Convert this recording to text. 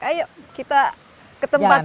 ayo kita ke tempat